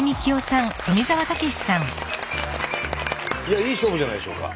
いやいい勝負じゃないでしょうか。